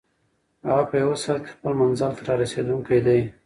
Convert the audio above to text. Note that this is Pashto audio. هغه په یوه ساعت کې خپل منزل ته رارسېدونکی دی.